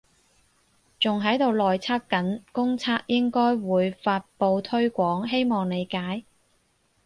仲喺度內測緊，公測應該會發佈推廣，希望理解